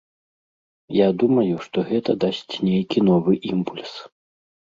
Я думаю, што гэта дасць нейкі новы імпульс.